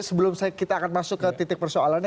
sebelum kita akan masuk ke titik persoalannya